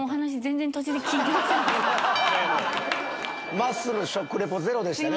まっすーの食レポゼロでしたね。